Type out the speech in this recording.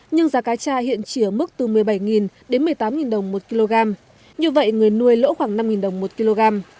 nhưng giá cá cha hiện chỉ ở mức từ một mươi bảy đến một mươi tám đồng một kg như vậy người nuôi lỗ khoảng năm đồng một kg